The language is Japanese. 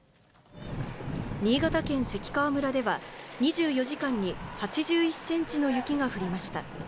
新潟県関川村では、２４時間に８１センチの雪が降りました。